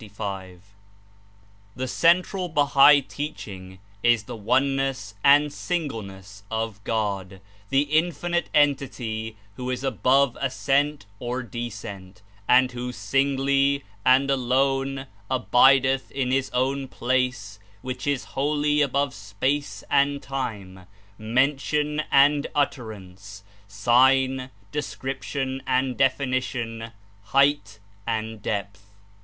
The central Bahal teaching is the Oneness and Singleness of God, the Infinite Entity who is "above ascent or descent," and who ''singly and alone, abid eth in His Own Place zvhich is holy above space and time, mention and utterance, sign, description and definition, height and depth.